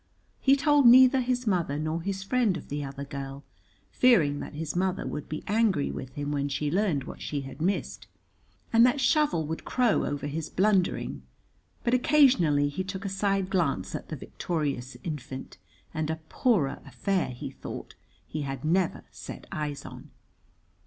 He told neither his mother nor his friend of the other girl, fearing that his mother would be angry with him when she learned what she had missed, and that Shovel would crow over his blundering, but occasionally he took a side glance at the victorious infant, and a poorer affair, he thought, he had never set eyes on.